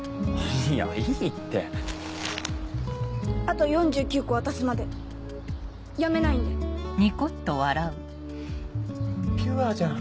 いやいいってあと４９個渡すまでやめないんでピュアじゃん。